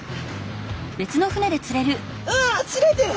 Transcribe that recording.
うわ釣れてる！